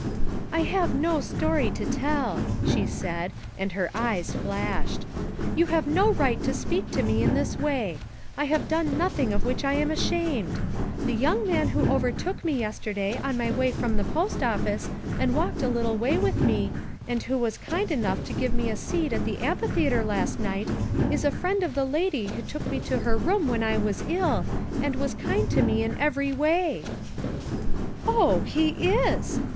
"I have no stoiy to tell," she said, and her eyes flashed. "You have no right to speak to me in this way; I have done nothing of which I am ashamed. The young man who overtook me yesterday on my way from the post office and walked a little way with me, and who was kind enough to give me a seat at the am phitheater last night, is a friend of the lady who took me to her room when I was ill, and was kind to me in every way." "Oh, he is!"